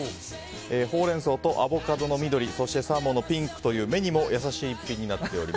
ほうれん草とアボカドの緑そしてサーモンのピンクという目にも優しい逸品です。